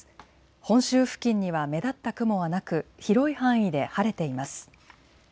本州付近には目立った雲はなく広い範囲で晴れています。